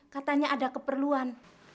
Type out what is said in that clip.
katanya ada keperluan